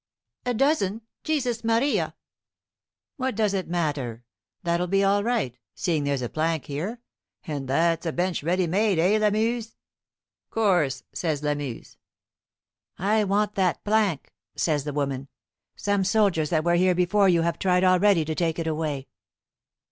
"A dozen. Jesus Maria!" "What does it matter? That'll be all right, seeing there's a plank here and that's a bench ready made, eh, Lamuse?" "Course," says Lamuse. "I want that plank," says the woman. "Some soldiers that were here before you have tried already to take it away."